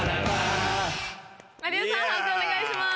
判定お願いします。